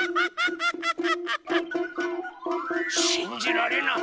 しんじられない！